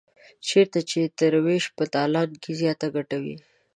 چېرته چې تر وېش په تالان کې زیاته ګټه وي.